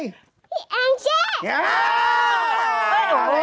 พี่แอ่งเช่